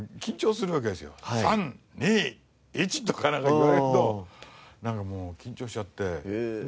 ３２１とかなんか言われるとなんかもう緊張しちゃって。